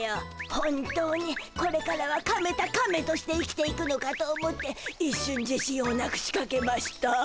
本当にこれからは亀田カメとして生きていくのかと思っていっしゅん自信をなくしかけました。